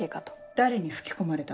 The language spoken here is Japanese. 誰に吹き込まれた？